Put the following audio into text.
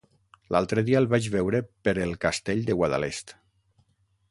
L'altre dia el vaig veure per el Castell de Guadalest.